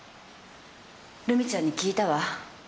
ルミちゃんに聞いたわ。